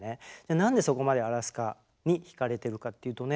なんでそこまでアラスカにひかれてるかっていうとね